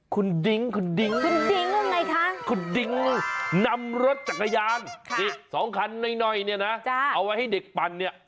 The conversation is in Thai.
คุณดิงคุณดิงนำรถจักรยานสองคันหน่อยเนี่ยนะเอาไว้ให้เด็กปันเนี่ย